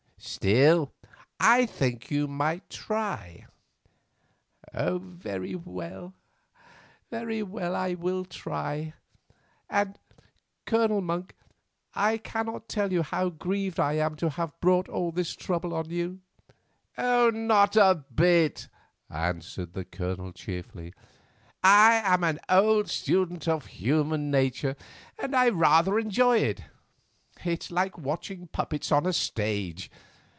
"Still, I think you might try." "Very well, I will try; and, Colonel Monk, I cannot tell you how grieved I am to have brought all this trouble on you." "Not a bit," answered the Colonel cheerfully. "I am an old student of human nature, and I rather enjoy it; it's like watching the puppets on a stage.